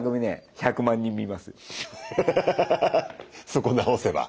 そこ直せば。